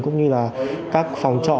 cũng như là các phòng trọ